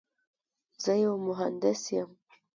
زه یو مهندس یم.